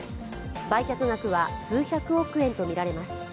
売却額は数百億円とみられます。